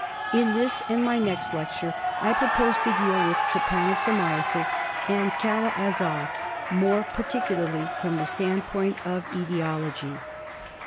In this and my next lecture I propose to deal with Trypanosomiasis and Kala Azar more particularly from the standpoint of etiology.